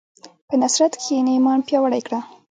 په نصرت کښېنه، ایمان پیاوړی کړه.